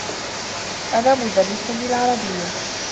أنا مدرّس للعربيّة.